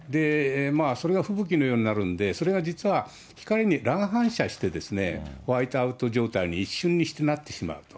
それが吹雪のようになるんで、それが実は光に乱反射して、ホワイトアウト状態に一瞬にしてなってしまうと。